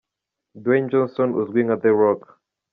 Dwayne Johnson uzwi nka The Rock.